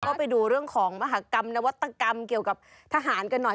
ก็ไปดูเรื่องของมหากรรมนวัตกรรมเกี่ยวกับทหารกันหน่อย